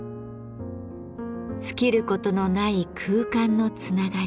尽きることのない空間のつながり。